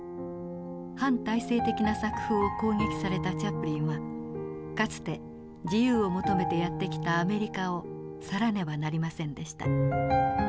反体制的な作風を攻撃されたチャップリンはかつて自由を求めてやって来たアメリカを去らねばなりませんでした。